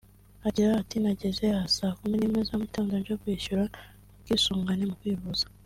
Agira ati “Nageze aha saa kumi n’imwe za mu gitondo nje kwishyura ubwisungane mu kwivuza